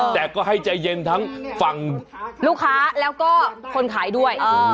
แต่ก็ให้ใจเย็นทั้งฝั่งลูกค้าแล้วก็คนขายด้วย